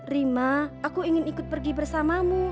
rima aku ingin ikut pergi bersamamu